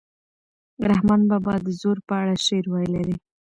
رحمان بابا د زور په اړه شعر ویلی دی.